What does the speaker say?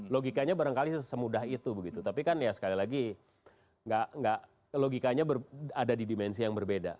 logikanya barangkali semudah itu begitu tapi kan ya sekali lagi logikanya ada di dimensi yang berbeda